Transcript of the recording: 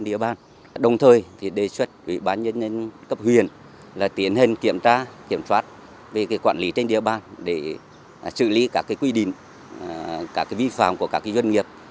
đồng thời đề xuất ubnd cấp huyện tiến hành kiểm tra kiểm soát về quản lý trên địa bàn để xử lý các quy định các vi phạm của các doanh nghiệp